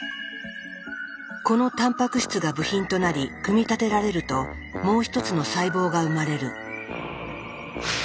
このタンパク質が部品となり組み立てられるともう一つの細胞が生まれる。